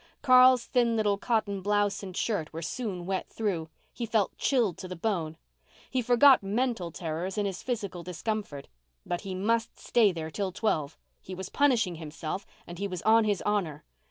Carl's thin little cotton blouse and shirt were soon wet through. He felt chilled to the bone. He forgot mental terrors in his physical discomfort. But he must stay there till twelve—he was punishing himself and he was on his honour.